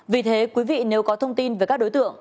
vì thế quý vị nếu có thông tin về các đối tượng